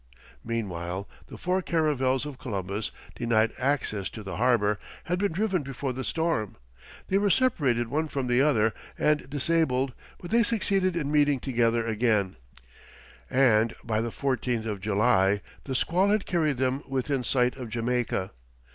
Meanwhile, the four caravels of Columbus, denied access to the harbour, had been driven before the storm. They were separated one from the other, and disabled, but they succeeded in meeting together again, and by the 14th of July, the squall had carried them within sight of Jamaica.